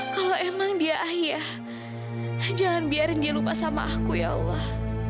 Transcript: kalau emang dia ahya jangan biarin dia lupa sama aku ya allah